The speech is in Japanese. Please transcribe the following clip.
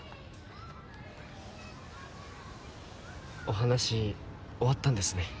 お話終わったんですね。